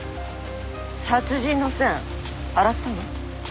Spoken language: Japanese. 殺人の線洗ったの？